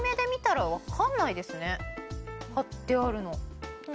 貼ってあるの。